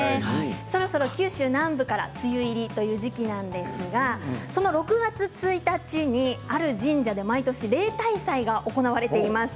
そろそろ、九州南部から梅雨入りという時季なんですが６月１日にある神社の毎年例大祭が行われています。